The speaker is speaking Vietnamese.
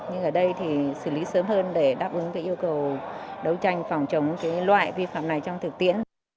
nhưng ở đây thì xử lý sớm hơn để đáp ứng cái yêu cầu đấu tranh phòng chống cái loại vi phạm này trong thực tiễn